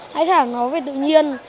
hãy thả nó về tự nhiên